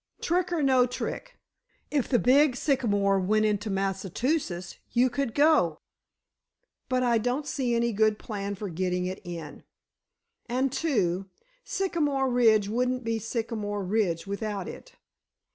Trick or no trick, if the big sycamore went into Massachusetts, you could go. But I don't see any good plan for getting it in. And, too, Sycamore Ridge wouldn't be Sycamore Ridge without it.